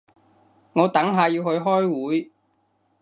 我等下要去開會